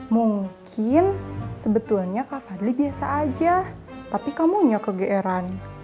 mungkin sebetulnya kak fadli biasa aja tapi kamu nyokeran